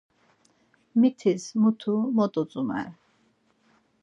Mitis mutu mot utzomer.